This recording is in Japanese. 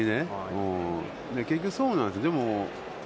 結局そうなんです。